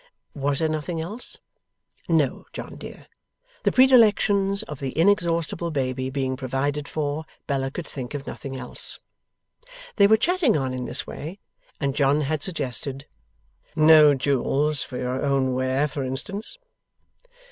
Was there nothing else? No, John dear. The predilections of the inexhaustible baby being provided for, Bella could think of nothing else. They were chatting on in this way, and John had suggested, 'No jewels for your own wear, for instance?